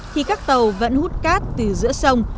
thì các tàu vẫn hút cát từ giữa sông